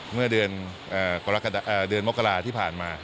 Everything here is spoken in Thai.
เมื่อเดือนมกราที่ผ่านมา